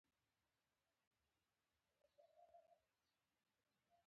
راتلونکو نسلونو ته یې د تاریخي میراث په توګه ورسوي.